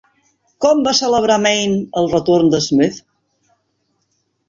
Com va celebrar Maine el retorn de Smith?